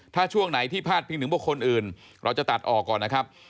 ถ้าช่วงไหนที่พาดพิงถึงบุคคลอื่นเราจะตัดออกก่อนนะครับ